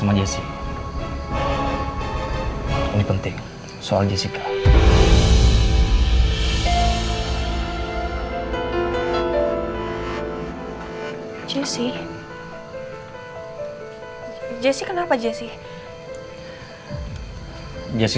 emangnya kamu tidak kasihan sama gizi